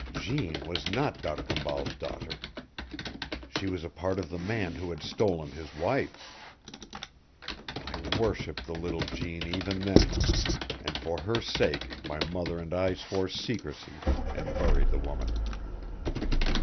Jeanne was not D'Arcambal's daughter. She was a part of the man who had stolen his wife. I worshiped the little Jeanne even then, and for her sake my mother and I swore secrecy, and buried the woman.